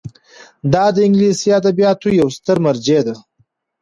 دا د انګلیسي ادبیاتو یوه ستره مرجع ده.